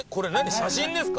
写真ですか？